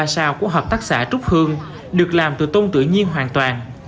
ba sao của hợp tác xã trúc hương được làm từ tôn tự nhiên hoàn toàn